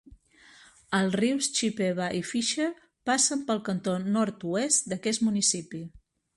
Els rius Chippewa i Fisher passen pel cantó nord-oest d'aquest municipi.